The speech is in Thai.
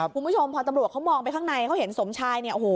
คุณผู้ชมพอตำรวจเขามองไปข้างในเขาเห็นสมชายเนี่ยโอ้โห